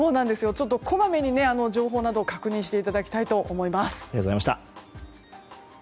こまめに情報などを確認していただきたいと思います。